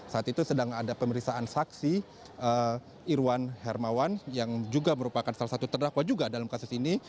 saat itu sedang ada pemeriksaan saksi irwan hermawan yang juga merupakan salah satu terdakwa juga dalam kasus ini